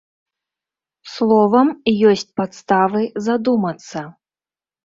Словам, ёсць падставы задумацца.